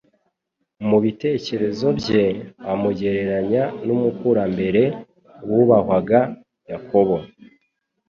Mu bitekererezo bye amugereranya n’umukurambere wubahwagwa Yakobo